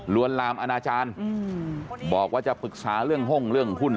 ลามอนาจารย์บอกว่าจะปรึกษาเรื่องห้องเรื่องหุ้น